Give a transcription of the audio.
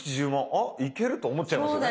あいけると思っちゃいますよね。